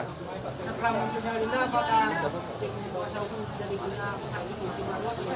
bahwa suatu yang bisa dijadikan saksi kebijaksanaan